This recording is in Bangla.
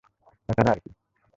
তাছাড়া আর কি?